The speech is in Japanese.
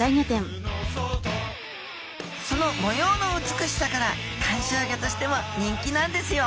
その模様の美しさから観賞魚としても人気なんですよ